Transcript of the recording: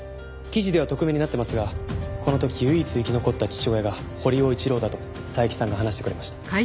記事では匿名になっていますがこの時唯一生き残った父親が堀尾一郎だと佐伯さんが話してくれました。